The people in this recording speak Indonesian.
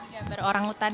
lagi gambar orang hutan